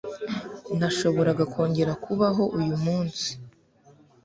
Ntashobora kongera kubaho uyu munsi